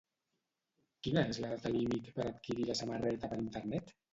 Quina és la data límit per adquirir la samarreta per internet?